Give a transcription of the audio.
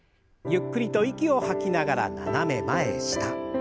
ゆっくりと息を吐きながら斜め前下。